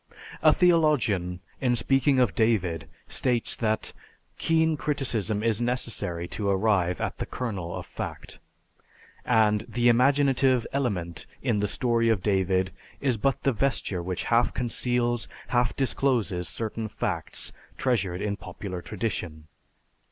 A theologian in speaking of David states that "Keen criticism is necessary to arrive at the kernel of fact," and, "the imaginative element in the story of David is but the vesture which half conceals, half discloses certain facts treasured in popular tradition."